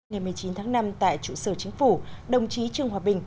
ngày một mươi chín tháng năm tại trụ sở chính phủ đồng chí trương hòa bình